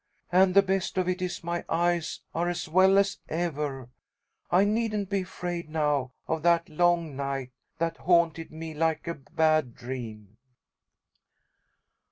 And the best of it is my eyes are as well as ever. I needn't be afraid, now, of that 'long night' that haunted me like a bad dream."